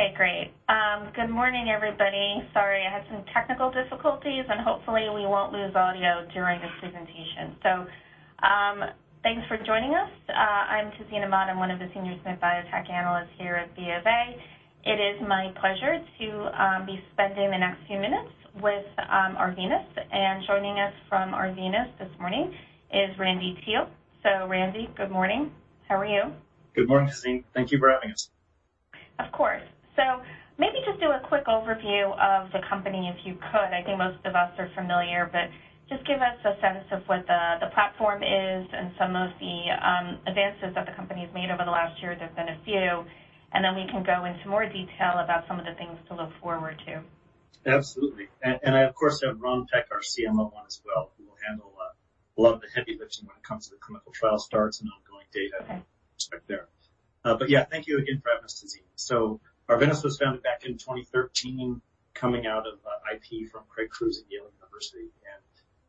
Okay, great. Good morning, everybody. Sorry, I had some technical difficulties, and hopefully we won't lose audio during this presentation. Thanks for joining us. I'm Tazeen Ahmad. I'm one of the Senior SMID Biotech Analysts here at BofA. It is my pleasure to be spending the next few minutes with Arvinas, and joining us from Arvinas this morning is Randy Teel. Randy, good morning. How are you? Good morning, Tazeen. Thank you for having us. Of course. Maybe just do a quick overview of the company, if you could. I think most of us are familiar, but just give us a sense of what the platform is and some of the advances that the company's made over the last year. There's been a few, and then we can go into more detail about some of the things to look forward to. Absolutely. I, of course, have Ron Peck, our CMO, on as well, who will handle a lot of the heavy lifting when it comes to the clinical trial starts and ongoing data and results there. Yeah, thank you again for having us, Tazeen. Arvinas was founded back in 2013, coming out of IP from Craig Crews at Yale University,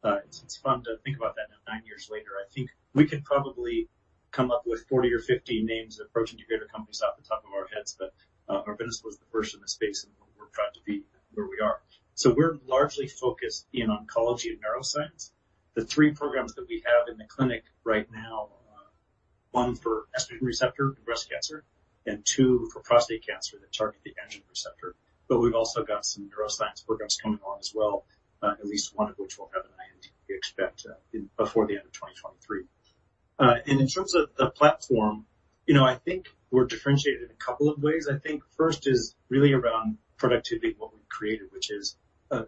and it's fun to think about that now nine years later. I think we could probably come up with 40 or 50 names approaching greater companies off the top of our heads, but Arvinas was the first in the space, and we're proud to be where we are. We're largely focused in oncology and neuroscience. The three programs that we have in the clinic right now, one for estrogen receptor and breast cancer and two for prostate cancer that target the androgen receptor. We've also got some neuroscience programs coming on as well, at least one of which will have an IND, we expect, in before the end of 2023. In terms of the platform, you know, I think we're differentiated in a couple of ways. I think first is really around productivity, what we've created, which is,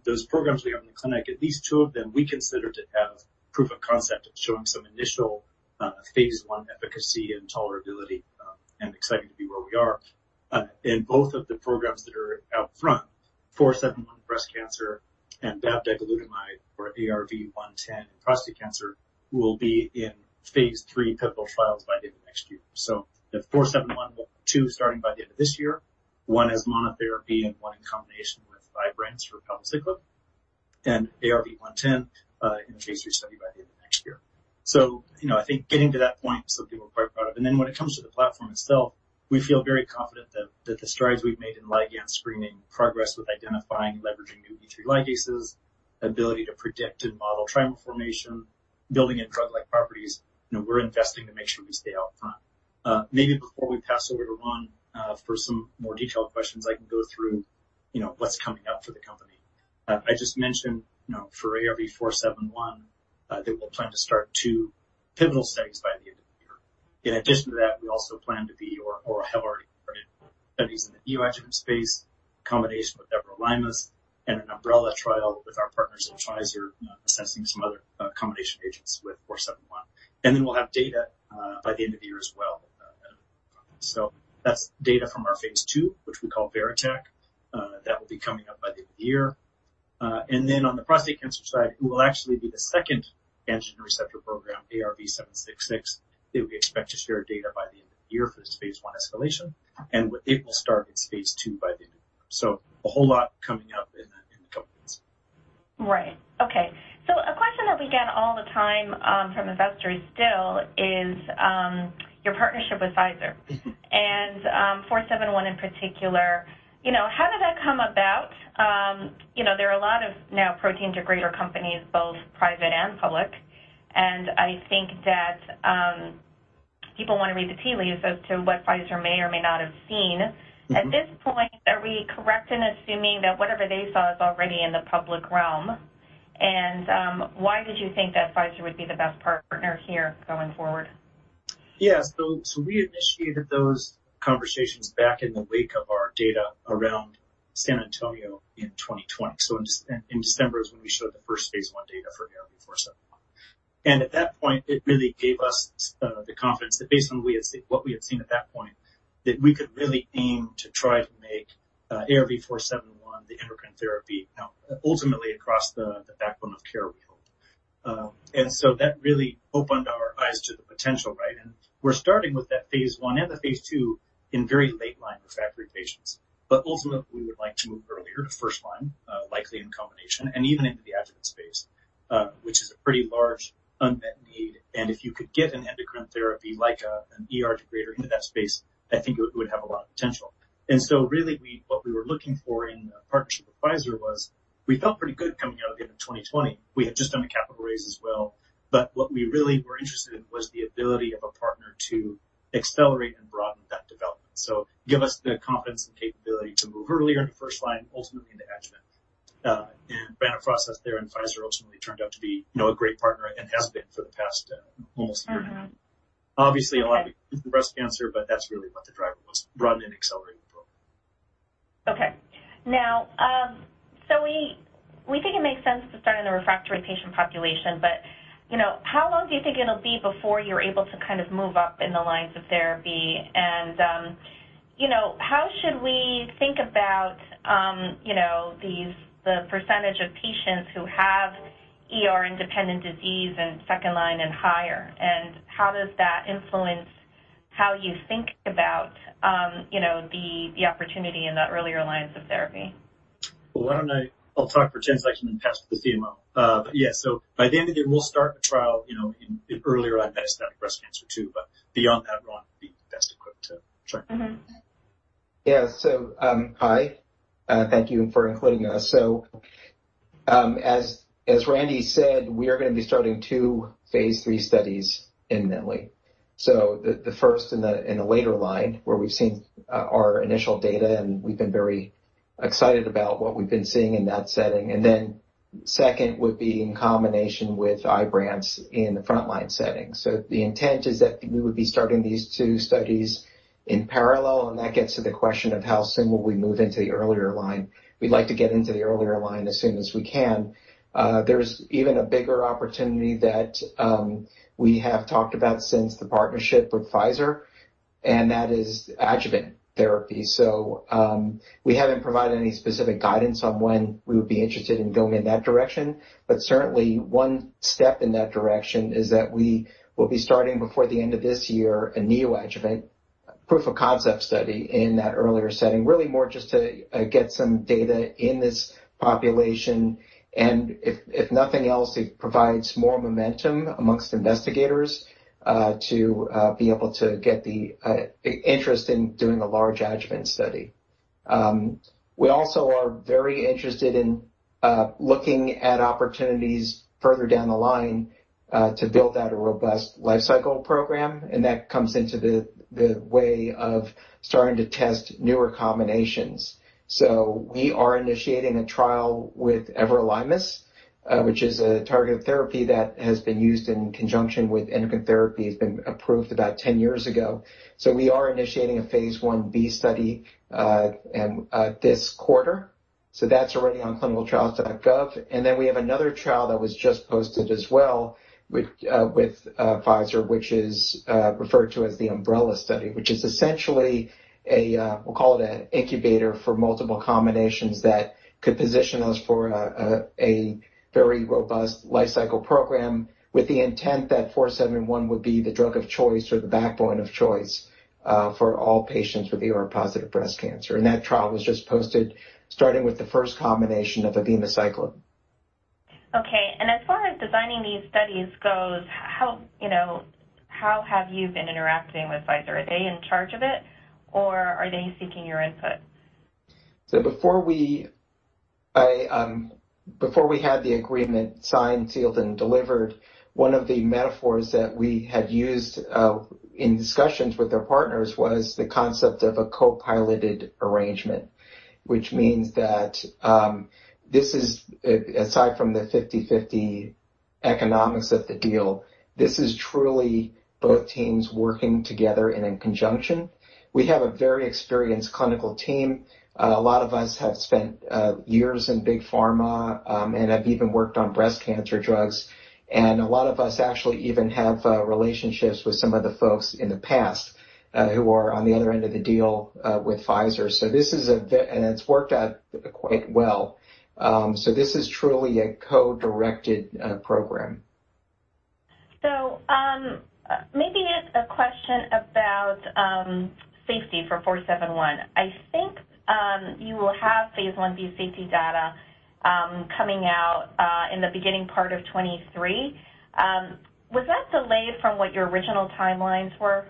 those programs we have in the clinic, at least two of them we consider to have proof of concept of showing some initial, phase I efficacy and tolerability, and excited to be where we are. In both of the programs that are out front, ARV-471 breast cancer and bavdegalutamide or ARV-110 in prostate cancer will be in phase III pivotal trials by the end of next year. The ARV-471, we'll have two starting by the end of this year, one as monotherapy and one in combination with IBRANCE (palbociclib), and ARV-110, in a phase III study by the end of next year. You know, I think getting to that point, something we're quite proud of. When it comes to the platform itself, we feel very confident that the strides we've made in ligand screening, progress with identifying, leveraging new E3 ligases, ability to predict and model transformation, building in drug-like properties, you know, we're investing to make sure we stay out front. Maybe before we pass over to Ron, for some more detailed questions, I can go through, you know, what's coming up for the company. I just mentioned, you know, for ARV-471, that we'll plan to start two pivotal studies by the end of the year. In addition to that, we also plan to or have already started studies in the EU adjuvant space, combination with everolimus, and an umbrella trial with our partners at Pfizer, assessing some other combination agents with ARV-471. Then we'll have data by the end of the year as well, so that's data from our phase II, which we call VERITAC, that will be coming up by the end of the year. On the prostate cancer side, it will actually be the second androgen receptor program, ARV-766, that we expect to share data by the end of the year for the phase I escalation. It will start its phase II by the end of the year. A whole lot coming up in the coming months. Right. Okay. A question that we get all the time, from investors still is, your partnership with Pfizer. Mm-hmm. ARV-471 in particular, you know, how did that come about? You know, there are a lot of now protein degrader companies, both private and public, and I think that, people want to read the tea leaves as to what Pfizer may or may not have seen. Mm-hmm. At this point, are we correct in assuming that whatever they saw is already in the public realm? Why did you think that Pfizer would be the best partner here going forward? We initiated those conversations back in the wake of our data around San Antonio in 2020. In December is when we showed the first phase I data for ARV-471. At that point, it really gave us the confidence that based on what we had seen at that point, that we could really aim to try to make ARV-471 the endocrine therapy now ultimately across the backbone of care, we'll. That really opened our eyes to the potential, right? We're starting with that phase I and the phase II in very late line refractory patients. Ultimately, we would like to move earlier to first line, likely in combination, and even into the adjuvant space, which is a pretty large unmet need. If you could get an endocrine therapy like an ER degrader into that space, I think it would have a lot of potential. Really, what we were looking for in a partnership with Pfizer was we felt pretty good coming out at the end of 2020. We had just done a capital raise as well, but what we really were interested in was the ability of a partner to accelerate and broaden that development. Give us the confidence and capability to move earlier into first line, ultimately into adjuvant. We ran a process there, and Pfizer ultimately turned out to be, you know, a great partner and has been for the past, almost a year now. Mm-hmm. Obviously a lot of breast cancer, but that's really what the driver was, broaden and accelerate the program. Okay. Now, we think it makes sense to start in the refractory patient population, but, you know, how long do you think it'll be before you're able to kind of move up in the lines of therapy? You know, how should we think about, you know, these, the percentage of patients who have ER-independent disease in second line and higher? How does that influence how you think about, you know, the opportunity in the earlier lines of therapy? I'll talk as best I can and pass it to the CMO. Yeah. By the end of the year, we'll start the trial, you know, in earlier metastatic breast cancer too, but beyond that, Ron will be best equipped to share. Mm-hmm. Yeah. Hi, thank you for including us. As Randy said, we are gonna be starting two phase III studies imminently. The first in the later line where we've seen our initial data, and we've been very excited about what we've been seeing in that setting. Then second would be in combination with IBRANCE in the frontline setting. The intent is that we would be starting these two studies in parallel, and that gets to the question of how soon will we move into the earlier line. We'd like to get into the earlier line as soon as we can. There's even a bigger opportunity that we have talked about since the partnership with Pfizer, and that is adjuvant therapy. We haven't provided any specific guidance on when we would be interested in going in that direction, but certainly one step in that direction is that we will be starting before the end of this year, a neoadjuvant proof of concept study in that earlier setting, really more just to get some data in this population, and if nothing else, it provides more momentum amongst investigators to be able to get the interest in doing a large adjuvant study. We also are very interested in looking at opportunities further down the line to build out a robust lifecycle program, and that comes into the way of starting to test newer combinations. We are initiating a trial with everolimus, which is a targeted therapy that has been used in conjunction with endocrine therapy. It's been approved about 10 years ago. We are initiating a phase 1b study this quarter, so that's already on clinicaltrials.gov. Then we have another trial that was just posted as well with Pfizer, which is referred to as the umbrella study, which is essentially a we'll call it an incubator for multiple combinations that could position us for a very robust lifecycle program with the intent that ARV-471 would be the drug of choice or the backbone of choice for all patients with ER-positive breast cancer. That trial was just posted, starting with the first combination of abemaciclib. Okay. As far as designing these studies goes, how, you know, how have you been interacting with Pfizer? Are they in charge of it, or are they seeking your input? Before we had the agreement signed, sealed, and delivered, one of the metaphors that we had used in discussions with their partners was the concept of a co-piloted arrangement. Which means that this is aside from the 50/50 economics of the deal, this is truly both teams working together and in conjunction. We have a very experienced clinical team. A lot of us have spent years in big pharma and have even worked on breast cancer drugs, and a lot of us actually even have relationships with some of the folks in the past who are on the other end of the deal with Pfizer, and it's worked out quite well. This is truly a co-directed program. Maybe it's a question about safety for ARV-471. I think you will have phase 1b safety data coming out in the beginning part of 2023. Was that delayed from what your original timelines were?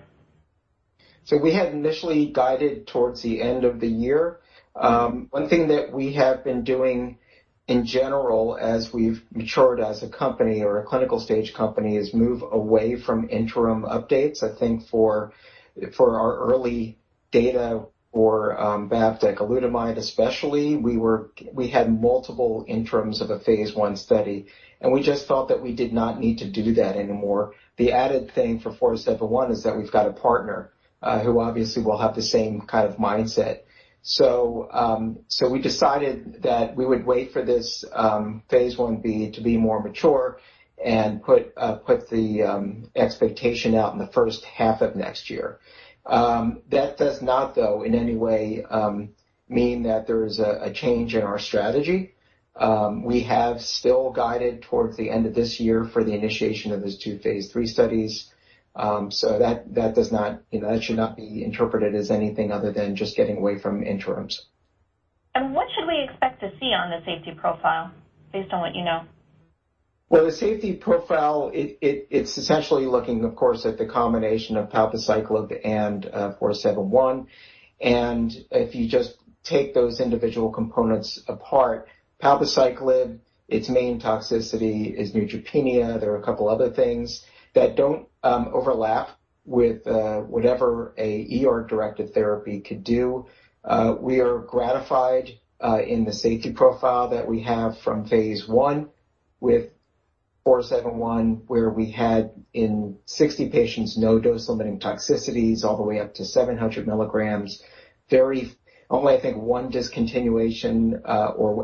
We had initially guided towards the end of the year. One thing that we have been doing in general as we've matured as a company or a clinical stage company is move away from interim updates. I think for our early data for bavdegalutamide especially, we had multiple interims of a phase I study, and we just thought that we did not need to do that anymore. The added thing for four-seven-one is that we've got a partner who obviously will have the same kind of mindset. We decided that we would wait for this phase 1b to be more mature and put the expectation out in the first half of next year. That does not, though, in any way mean that there is a change in our strategy. We have still guided towards the end of this year for the initiation of those two phase III studies. That does not, you know, that should not be interpreted as anything other than just getting away from interims. What should we expect to see on the safety profile based on what you know? The safety profile, it's essentially looking, of course, at the combination of palbociclib and ARV-471, and if you just take those individual components apart, palbociclib, its main toxicity is neutropenia. There are a couple other things that don't overlap with whatever a ER-directed therapy could do. We are gratified in the safety profile that we have from phase I with ARV-471, where we had in 60 patients, no dose limiting toxicities all the way up to 700 mg. Only, I think, one discontinuation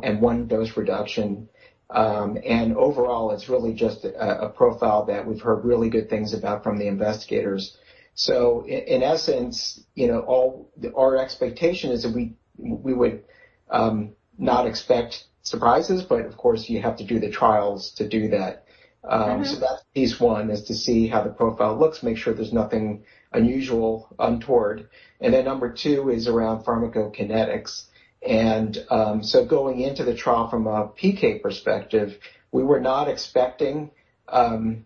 and one dose reduction, and overall, it's really just a profile that we've heard really good things about from the investigators. In essence, our expectation is that we would not expect surprises, but of course, you have to do the trials to do that. Mm-hmm. That's phase I, is to see how the profile looks, make sure there's nothing unusual untoward. Then number two is around pharmacokinetics. Going into the trial from a PK perspective, we were not expecting,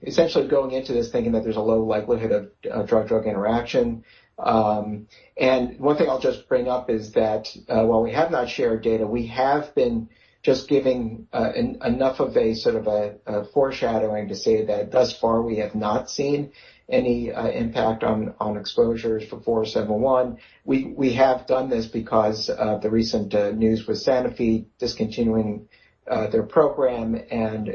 essentially going into this thinking that there's a low likelihood of drug-drug interaction. One thing I'll just bring up is that, while we have not shared data, we have been just giving enough of a sort of a foreshadowing to say that thus far we have not seen any impact on exposures for ARV-471. We have done this because of the recent news with Sanofi discontinuing their program, and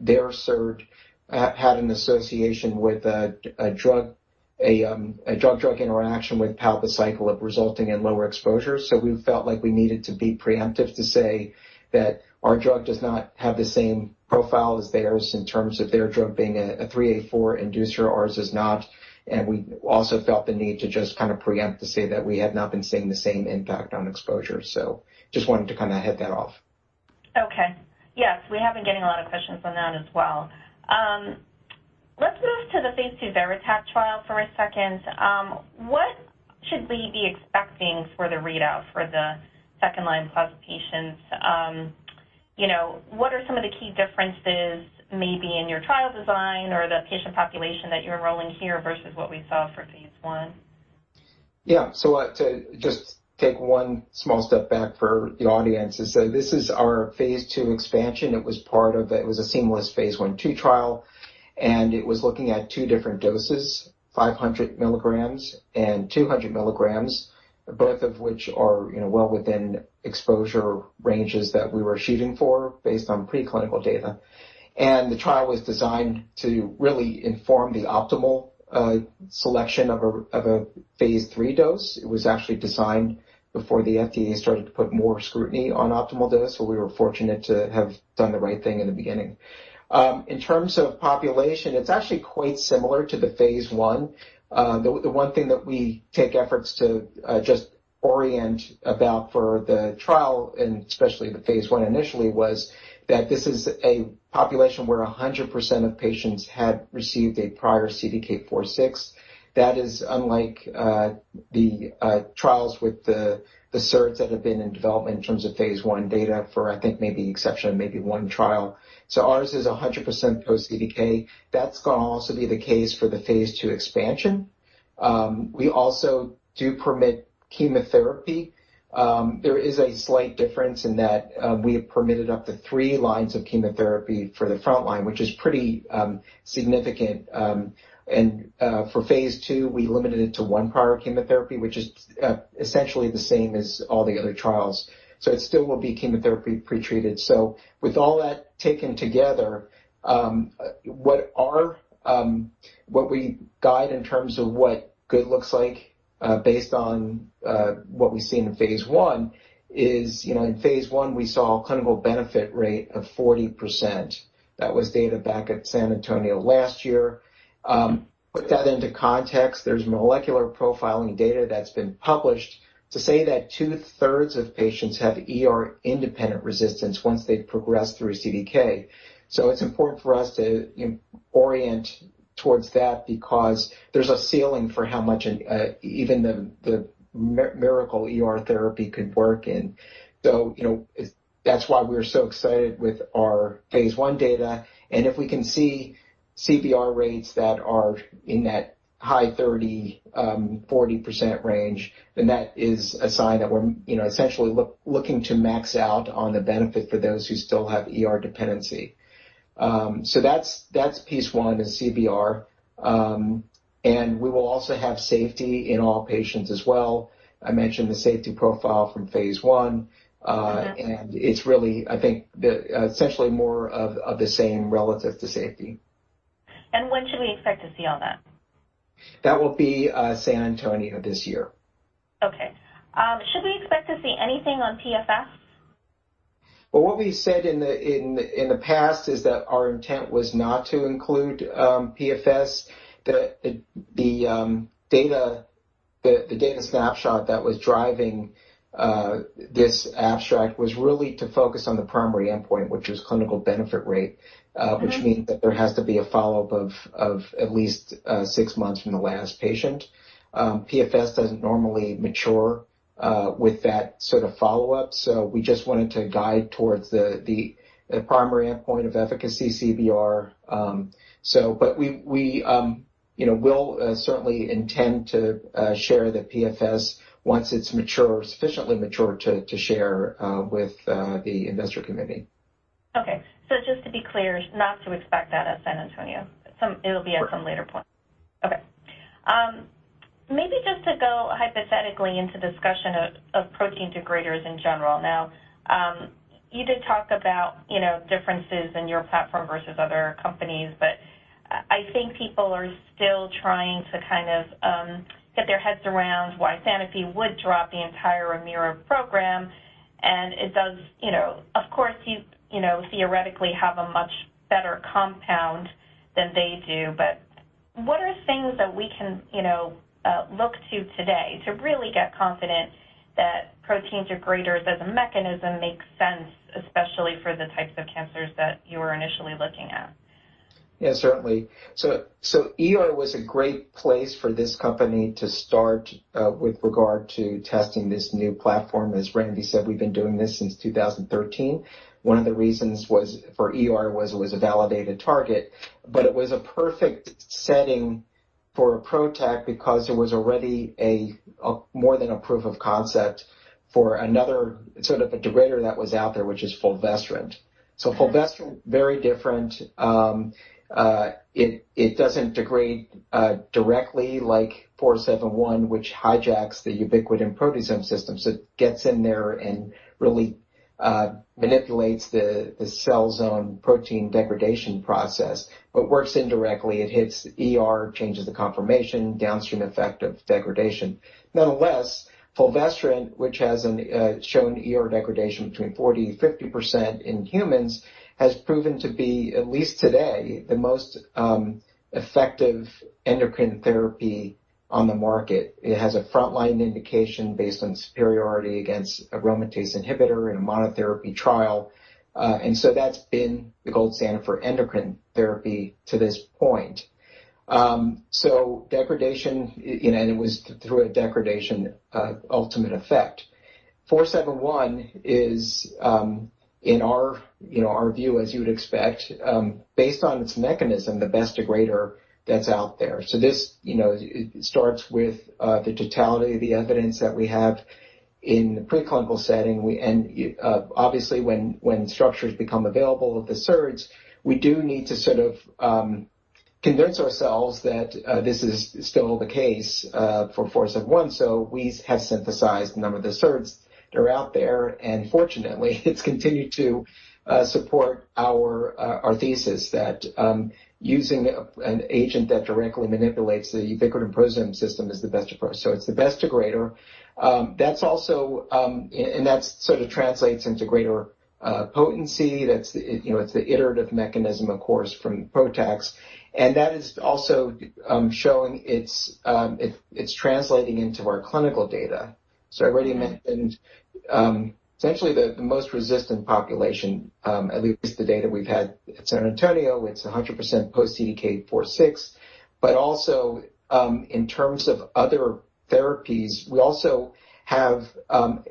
their SERD had an association with a drug-drug interaction with palbociclib resulting in lower exposure. We felt like we needed to be preemptive to say that our drug does not have the same profile as theirs in terms of their drug being a CYP3A4 inducer, ours is not. We also felt the need to just kind of preempt to say that we had not been seeing the same impact on exposure. Just wanted to kind of hit that off. Okay. Yes, we have been getting a lot of questions on that as well. Let's move to the phase II VERITAC trial for a second. What should we be expecting for the readout for the second line plus patients, you know, what are some of the key differences maybe in your trial design or the patient population that you're enrolling here versus what we saw for phase I? Yeah. To just take one small step back for the audience, this is our phase II expansion. It was a seamless phase I, II trial, and it was looking at two different doses, 500 mg and 200 mg, both of which are, you know, well within exposure ranges that we were shooting for based on preclinical data. The trial was designed to really inform the optimal selection of a phase III dose. It was actually designed before the FDA started to put more scrutiny on optimal dose, so we were fortunate to have done the right thing in the beginning. In terms of population, it's actually quite similar to the phase I. The one thing that we take efforts to just orient about for the trial and especially the phase I initially was that this is a population where 100% of patients had received a prior CDK4/6. That is unlike the trials with the SERDs that have been in development in terms of phase I data for I think maybe with the exception of maybe one trial. Ours is 100% post CDK4/6. That's gonna also be the case for the phase II expansion. We also do permit chemotherapy. There is a slight difference in that we have permitted up to three lines of chemotherapy for the front line, which is pretty significant. For phase II, we limited it to one prior chemotherapy, which is essentially the same as all the other trials. It still will be chemotherapy pre-treated. With all that taken together, what we guide in terms of what good looks like, based on what we see in phase II is, you know, in phase II, we saw a clinical benefit rate of 40%. That was data back at San Antonio last year. Put that into context, there's molecular profiling data that's been published to say that 2/3 of patients have ER-independent resistance once they've progressed through CDK. It's important for us to orient towards that because there's a ceiling for how much even the miracle ER therapy could work. You know, that's why we're so excited with our phase I data. If we can see CBR rates that are in that high 30%-40% range, then that is a sign that we're, you know, essentially looking to max out on the benefit for those who still have ER dependency. That's phase I is CBR. We will also have safety in all patients as well. I mentioned the safety profile from phase I. Mm-hmm. It's really, I think, essentially more of the same relative to safety. When should we expect to see all that? That will be, San Antonio this year. Okay. Should we expect to see anything on PFS? Well, what we said in the past is that our intent was not to include PFS. The data snapshot that was driving this abstract was really to focus on the primary endpoint, which was clinical benefit rate. Mm-hmm. Which means that there has to be a follow-up of at least six months from the last patient. PFS doesn't normally mature with that sort of follow-up, so we just wanted to guide towards the primary endpoint of efficacy CBR. But we, you know, will certainly intend to share the PFS once it's sufficiently mature to share with the investor community. Okay. Just to be clear, not to expect that at San Antonio. It'll be at some later point. Sure. Okay. Maybe just to go hypothetically into discussion of protein degraders in general. Now, you did talk about, you know, differences in your platform versus other companies, but I think people are still trying to kind of get their heads around why Sanofi would drop the entire AMEERA program. It does, you know, of course you know, theoretically have a much better compound than they do, but what are things that we can, you know, look to today to really get confident that protein degraders as a mechanism make sense, especially for the types of cancers that you were initially looking at? Yeah, certainly. ER was a great place for this company to start with regard to testing this new platform. As Randy said, we've been doing this since 2013. One of the reasons for ER was it was a validated target, but it was a perfect setting for a PROTAC, because there was already more than a proof of concept for another sort of a degrader that was out there, which is fulvestrant. Fulvestrant, very different. It doesn't degrade directly like ARV-471, which hijacks the ubiquitin proteasome system. It gets in there and really manipulates the cell's own protein degradation process. It works indirectly. It hits the ER, changes the conformation, downstream effect of degradation. Nonetheless, fulvestrant, which has shown ER degradation between 40% and 50% in humans, has proven to be, at least today, the most effective endocrine therapy on the market. It has a frontline indication based on superiority against aromatase inhibitor in a monotherapy trial. That's been the gold standard for endocrine therapy to this point. Degradation, you know, and it was through a degradation ultimate effect. ARV-471 is, in our, you know, our view, as you would expect, based on its mechanism, the best degrader that's out there. This, you know, it starts with the totality of the evidence that we have in the preclinical setting. Obviously, when structures become available of the SERDs, we do need to sort of convince ourselves that this is still the case for ARV-471. We have synthesized a number of the SERDs that are out there, and fortunately, it's continued to support our thesis that using an agent that directly manipulates the ubiquitin proteasome system is the best approach. It's the best degrader. That's also... That sort of translates into greater potency. That's the, you know, it's the iterative mechanism, of course, from PROTACs, and that is also showing its, it's translating into our clinical data. I've already mentioned essentially the most resistant population, at least the data we've had at San Antonio, it's 100% post CDK 4/6. in terms of other therapies, we also have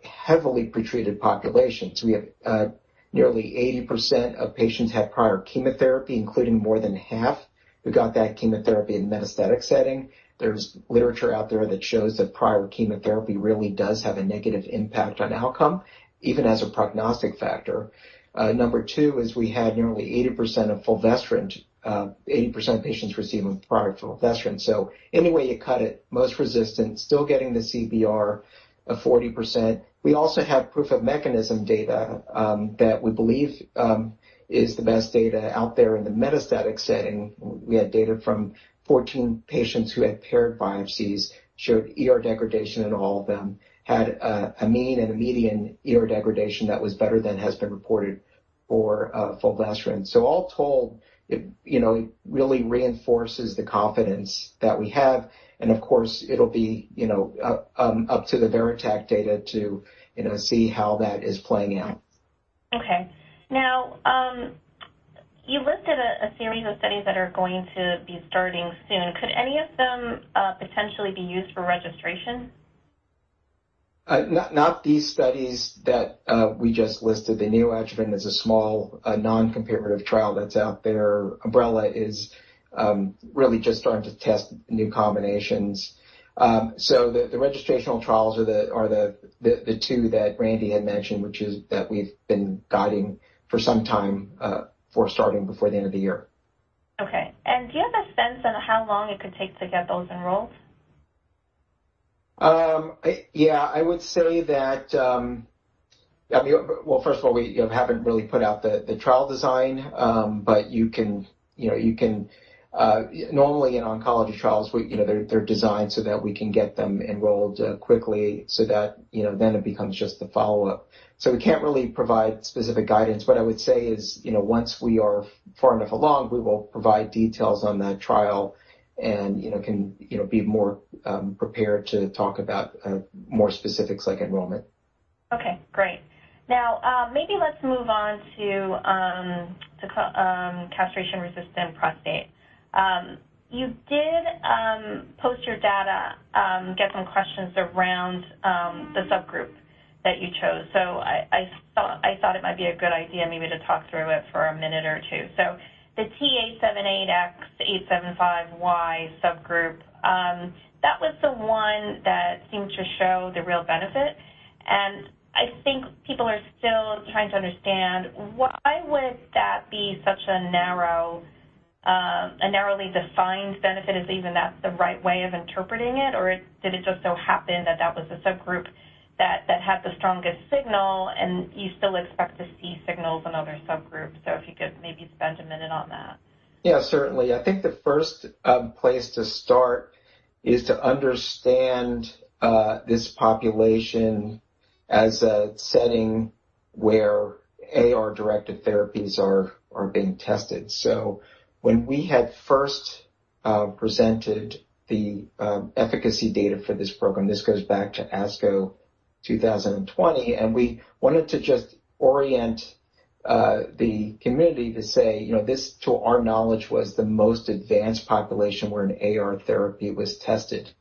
heavily pretreated populations. We have nearly 80% of patients had prior chemotherapy, including more than half who got that chemotherapy in metastatic setting. There's literature out there that shows that prior chemotherapy really does have a negative impact on outcome, even as a prognostic factor. Number two is we had 80% of patients receiving prior fulvestrant. So any way you cut it, most resistant, still getting the CBR of 40%. We also have proof of mechanism data, that we believe, is the best data out there in the metastatic setting. We had data from 14 patients who had paired biopsies, showed ER degradation in all of them, had a mean and a median ER degradation that was better than has been reported for fulvestrant. All told, it, you know, it really reinforces the confidence that we have, and of course it'll be, you know, up to the VERITAC data to, you know, see how that is playing out. Okay. Now, you listed a series of studies that are going to be starting soon. Could any of them potentially be used for registration? Not these studies that we just listed. The neoadjuvant is a small, non-comparative trial that's out there. Umbrella is really just starting to test new combinations. The registrational trials are the two that Randy had mentioned, that we've been guiding for some time, for starting before the end of the year. Okay. Do you have a sense on how long it could take to get those enrolled? Yeah, I would say that, I mean, well, first of all, we, you know, haven't really put out the trial design. You can, you know, you can. Normally in oncology trials, we, you know, they're designed so that we can get them enrolled quickly so that, you know, then it becomes just the follow-up. We can't really provide specific guidance. What I would say is, you know, once we are far enough along, we will provide details on that trial and, you know, can, you know, be more prepared to talk about more specifics like enrollment. Okay, great. Now, maybe let's move on to castration-resistant prostate. You did post your data, get some questions around the subgroup that you chose. I thought it might be a good idea maybe to talk through it for a minute or two. The T878X/H875Y subgroup, that was the one that seemed to show the real benefit, and I think people are still trying to understand why would that be such a narrow, a narrowly defined benefit? Is even that the right way of interpreting it, or did it just so happen that that was a subgroup that had the strongest signal and you still expect to see signals in other subgroups? If you could maybe spend a minute on that. Yeah, certainly. I think the first place to start is to understand this population as a setting where AR-directed therapies are being tested. When we had first presented the efficacy data for this program, this goes back to ASCO 2020, and we wanted to just orient the community to say, you know, this, to our knowledge, was the most advanced population where an AR therapy was tested.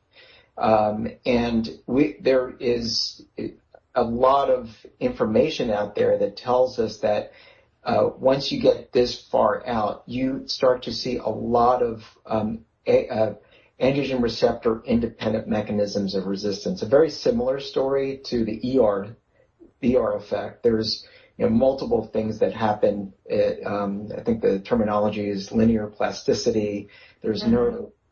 There is a lot of information out there that tells us that, once you get this far out, you start to see a lot of androgen receptor independent mechanisms of resistance. A very similar story to the ER-AR effect. There's, you know, multiple things that happen. It, I think the terminology is linear plasticity. There's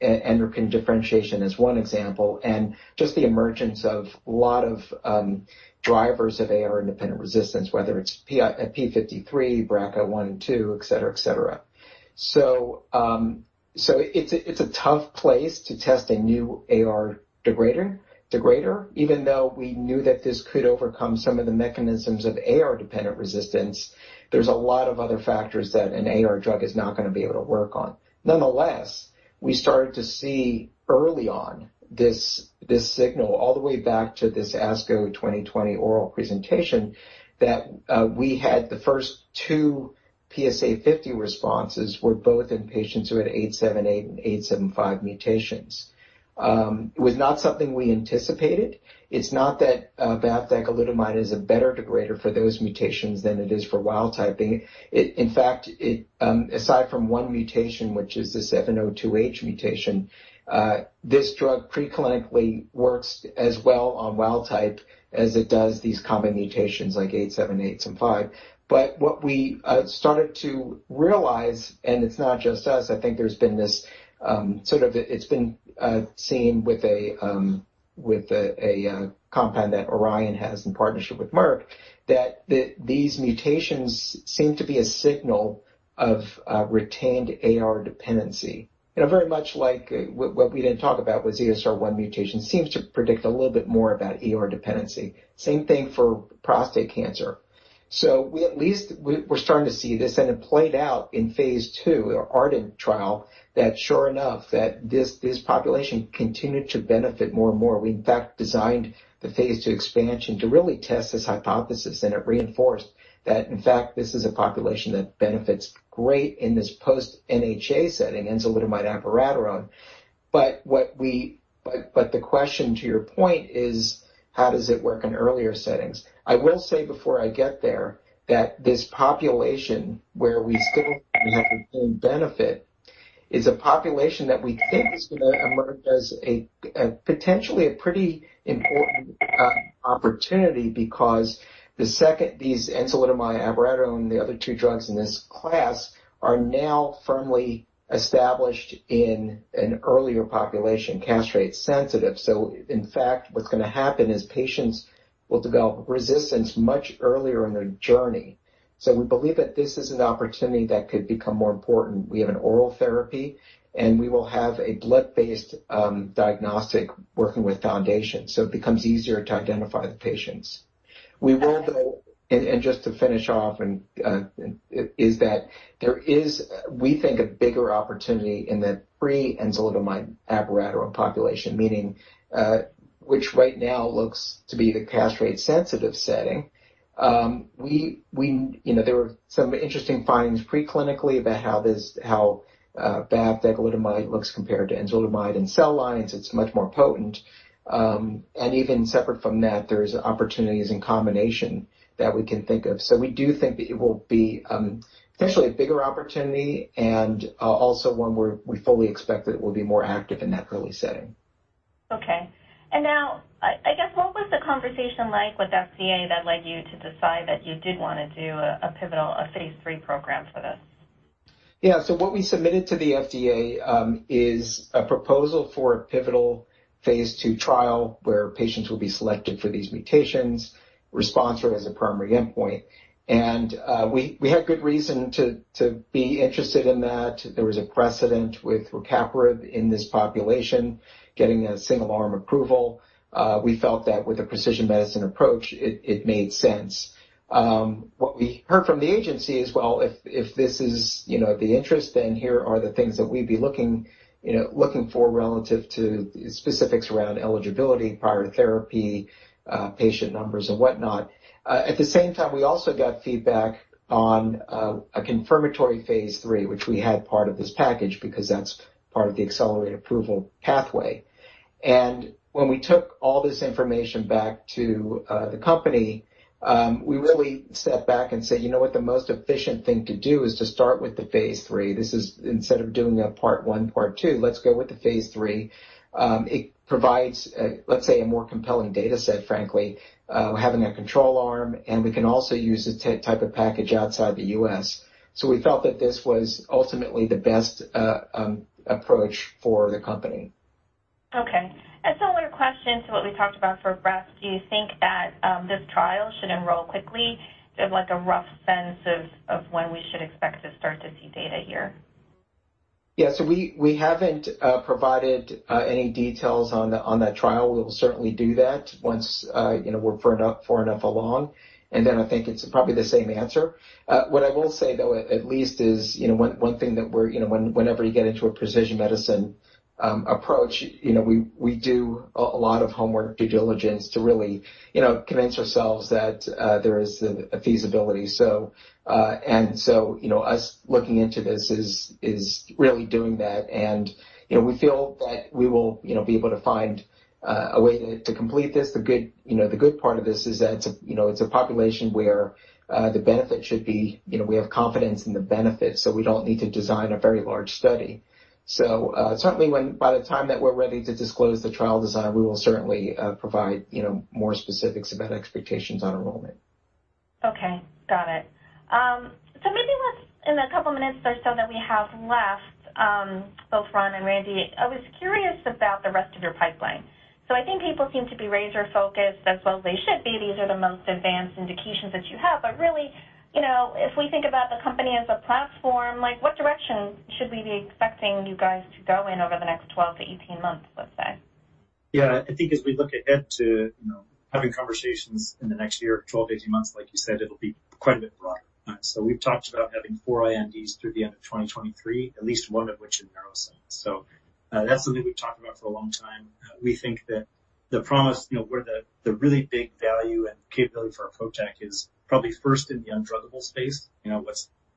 neuroendocrine differentiation as one example, and just the emergence of a lot of drivers of AR independent resistance, whether it's p53, BRCA1 and BRCA2, etc. It's a tough place to test a new AR degrader. Even though we knew that this could overcome some of the mechanisms of AR dependent resistance, there's a lot of other factors that an AR drug is not gonna be able to work on. Nonetheless, we started to see early on this signal all the way back to this ASCO 2020 oral presentation that we had the first two PSA50 responses were both in patients who had T878/H875Y mutations. It was not something we anticipated. It's not that bavdegalutamide is a better degrader for those mutations than it is for wild type. In fact, aside from one mutation, which is the L702H mutation, this drug preclinically works as well on wild type as it does these common mutations like T878/H875Y. What we started to realize, and it's not just us, I think there's been this sort of seen with a compound that Orion has in partnership with Merck, that these mutations seem to be a signal of retained AR dependency. You know, very much like what we didn't talk about with ESR1 mutation seems to predict a little bit more about AR dependency. Same thing for prostate cancer. We at least we're starting to see this, and it played out in phase II, our ARDENT trial, that sure enough this population continued to benefit more and more. We in fact designed the phase II expansion to really test this hypothesis, and it reinforced that in fact this is a population that benefits great in this post-NHA setting, enzalutamide abiraterone. The question to your point is how does it work in earlier settings? I will say before I get there that this population where we still have the same benefit is a population that we think is gonna emerge as a potentially pretty important opportunity because the second these enzalutamide abiraterone, the other two drugs in this class, are now firmly established in an earlier population, castrate-sensitive. In fact, what's gonna happen is patients will develop resistance much earlier in their journey. We believe that this is an opportunity that could become more important. We have an oral therapy, and we will have a blood-based diagnostic working with foundation, so it becomes easier to identify the patients. Just to finish off and is that there is we think a bigger opportunity in the pre-enzalutamide abiraterone population, meaning, which right now looks to be the castrate-sensitive setting. We, you know, there were some interesting findings pre-clinically about how this, how bavdegalutamide looks compared to enzalutamide in cell lines. It's much more potent. And even separate from that, there's opportunities in combination that we can think of. We do think that it will be potentially a bigger opportunity and also one where we fully expect that it will be more active in that early setting. Okay. Now, I guess what was the conversation like with FDA that led you to decide that you did wanna do a pivotal phase III program for this? Yeah. What we submitted to the FDA is a proposal for a pivotal phase II trial where patients will be selected for these mutations, response rate as a primary endpoint. We had good reason to be interested in that. There was a precedent with rucaparib in this population, getting a single-arm approval. We felt that with a precision medicine approach, it made sense. What we heard from the agency is, well, if this is, you know, the interest, then here are the things that we'd be looking, you know, looking for relative to specifics around eligibility prior to therapy, patient numbers and whatnot. At the same time, we also got feedback on a confirmatory phase III, which we had part of this package because that's part of the accelerated approval pathway. When we took all this information back to the company, we really stepped back and said, "You know what? The most efficient thing to do is to start with the phase III. This is instead of doing a part one, part two, let's go with the phase III." It provides, let's say, a more compelling data set, frankly, having a control arm, and we can also use this type of package outside the U.S. We felt that this was ultimately the best approach for the company. Okay. A similar question to what we talked about for breast, do you think that this trial should enroll quickly? Do you have like a rough sense of when we should expect to start to see data here? Yeah. We haven't provided any details on that trial. We will certainly do that once you know we're far enough along, and then I think it's probably the same answer. What I will say though at least is you know one thing that we're you know whenever you get into a precision medicine approach you know we do a lot of homework due diligence to really you know convince ourselves that there is a feasibility. You know, us looking into this is really doing that. You know we feel that we will you know be able to find a way to complete this. The good part of this is that it's a population where the benefit should be, you know, we have confidence in the benefit, so we don't need to design a very large study. Certainly, by the time that we're ready to disclose the trial design, we will certainly provide, you know, more specifics about expectations on enrollment. Okay, got it. Maybe let's in the couple minutes or so that we have left, both Ron and Randy, I was curious about the rest of your pipeline. I think people seem to be razor-focused as well they should be. These are the most advanced indications that you have. Really, you know, if we think about the company as a platform, like what direction should we be expecting you guys to go in over the next 12-18 months, let's say? Yeah, I think as we look ahead to, you know, having conversations in the next year, 12, 18 months, like you said, it'll be quite a bit broader. So we've talked about having four INDs through the end of 2023, at least one of which in neuroscience. That's something we've talked about for a long time. We think that the promise, you know, where the really big value and capability for a PROTAC is probably first in the undruggable space. You know,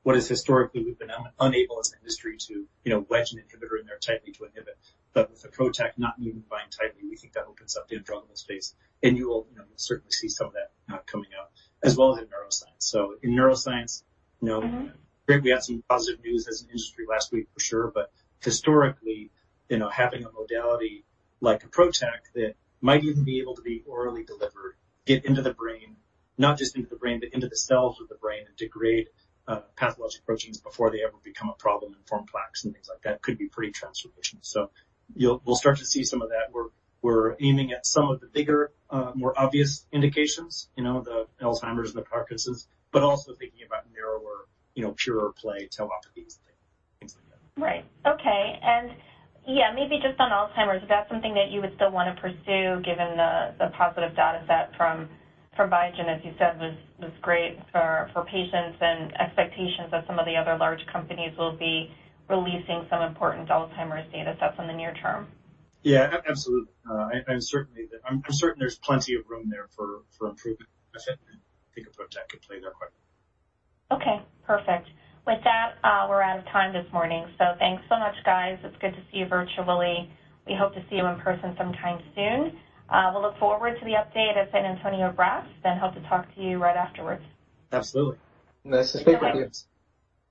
what has historically we've been unable as an industry to, you know, wedge an inhibitor in there tightly to inhibit. But with a PROTAC not needing to bind tightly, we think that opens up the undruggable space, and you will, you know, certainly see some of that coming out as well as in neuroscience. So in neuroscience, you know. Mm-hmm. We had some positive news as an industry last week for sure. Historically, you know, having a modality like a PROTAC that might even be able to be orally delivered, get into the brain, not just into the brain, but into the cells of the brain, and degrade pathologic proteins before they ever become a problem and form plaques and things like that could be pretty transformational. We'll start to see some of that. We're aiming at some of the bigger, more obvious indications, you know, the Alzheimer's and the Parkinson's, but also thinking about narrower, you know, pure play tauopathies and things like that. Right. Okay. Yeah, maybe just on Alzheimer's, is that something that you would still wanna pursue given the positive data set from Biogen, as you said, was great for patients and expectations that some of the other large companies will be releasing some important Alzheimer's data sets in the near term. Yeah, absolutely. I'm certain there's plenty of room there for improvement. I think a PROTAC could play there quite well. Okay, perfect. With that, we're out of time this morning. Thanks so much, guys. It's good to see you virtually. We hope to see you in person sometime soon. We'll look forward to the update at San Antonio Breast Cancer Symposium and hope to talk to you right afterwards. Absolutely. Nice to speak with you.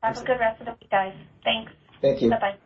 Have a good rest of the week, guys. Thanks. Thank you. Bye-bye.